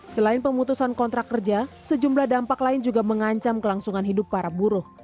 selain pemutusan kontrak kerja sejumlah dampak lain juga mengancam kelangsungan hidup para buruh